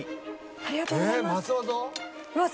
ありがとうございます。